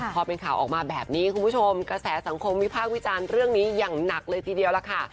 พอเป็นข่าวออกมาแบบนี้คุณผู้ชมกระแสสังคมวิพากษ์วิจารณ์เรื่องนี้อย่างหนักเลยทีเดียวล่ะค่ะ